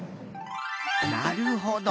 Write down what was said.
なるほど。